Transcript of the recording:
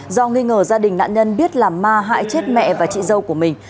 do nghi ngờ gia đình nạn nhân biết làm ma hại chết mẹ và chị dâu của mình